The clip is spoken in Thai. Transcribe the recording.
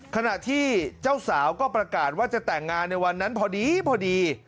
ขณะที่เจ้าสาวก็ประกาศว่าจะแต่งงานในวันนั้นพอดีพอดี